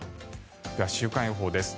では、週間予報です。